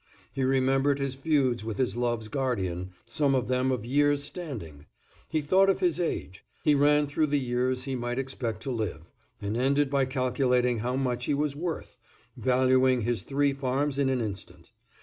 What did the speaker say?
He remembered his feuds with his love's guardian, some of them of years' standing; he thought of his age, he ran through the years he might expect to live, and ended by calculating how much he was worth, valuing his three farms in an instant.